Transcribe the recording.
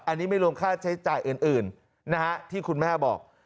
อันนี้ไม่รวมค่าใช้จ่ายอื่นนะฮะที่คุณแม่บอก